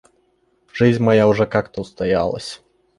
Жизнь моя уже как-то устоялась.